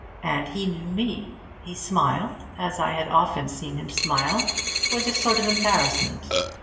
And he knew me; he smiled, as I had often seen him smile, with a sort of embarrassment.